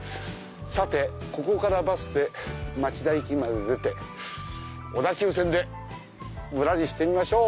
さてここからバスで町田駅まで出て小田急線でぶらりしてみましょう。